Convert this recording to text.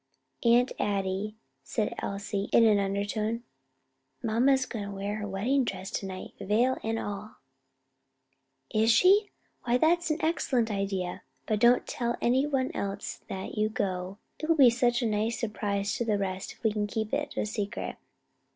"Aunt Addie," said Elsie in an undertone, "mamma's going to wear her wedding dress to night, veil and all." "Is she? why that's an excellent idea. But don't tell it anywhere else that you go; it will be such a nice surprise to the rest if we can keep it a secret."